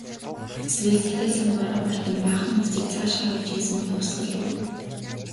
Эсвэл сахил санваараа мартан баахан улсыг цааш харуулж хийсэн хувьсгал уу?